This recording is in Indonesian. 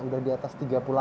udah diatas tiga puluh delapan